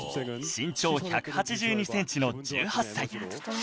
身長１８２センチの１８歳